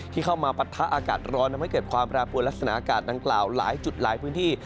เข้ามาปะทะอากาศร้อนทำให้เกิดความแปรปวดลักษณะอากาศดังกล่าวหลายจุดหลายพื้นที่